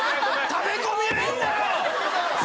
食べ込みはいいんだよ